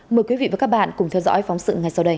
mời quý vị và các bạn cùng theo dõi phóng sự